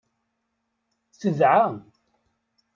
Tedɛa.